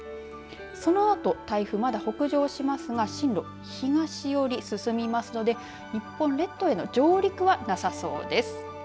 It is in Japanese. そのあと、台風まだ北上しますが進路、東寄りに進みますので日本列島への上陸はなさそうです。